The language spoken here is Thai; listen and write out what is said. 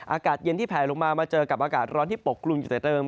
อากาศเย็นที่แผลลงมามาเจอกับอากาศร้อนที่ปกกลุ่มอยู่แต่เติม